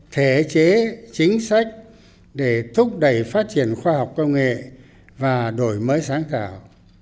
thể chế chính sách để thúc đẩy phát triển khoa học công nghệ và đổi mới sáng tạo